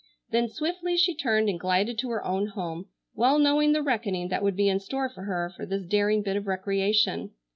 Then swiftly she turned and glided to her own home, well knowing the reckoning that would be in store for her for this daring bit of recreation.